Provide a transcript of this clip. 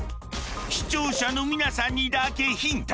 視聴者の皆さんにだけヒント。